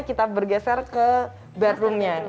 kita bisa bergeser ke bedroomnya